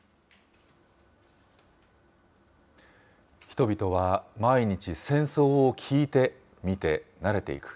人々は毎日、戦争を聞いて、見て、慣れていく。